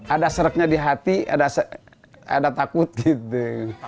ada sereknya di hati ada takut gitu